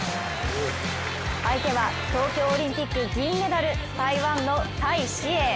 相手は東京オリンピック銀メダル台湾の戴資穎。